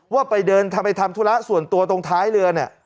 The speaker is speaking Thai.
ว่าไปเดินไปทำธุระส่วนตัวตรงท้ายเรือเนี่ย